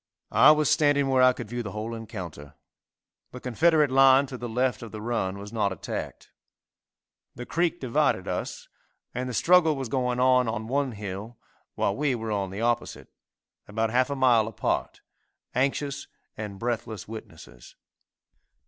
I was standing where I could view the whole encounter. The Confederate line to the left of the run was not attacked. The creek divided us, and the struggle was going on on one hill while we were on the opposite, about half a mile apart, anxious and breathless witnesses.